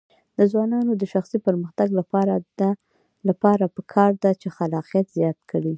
د ځوانانو د شخصي پرمختګ لپاره پکار ده چې خلاقیت زیات کړي.